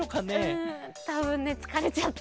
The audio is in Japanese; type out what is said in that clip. うんたぶんねつかれちゃった。